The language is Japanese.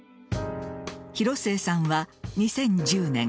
広末さんは２０１０年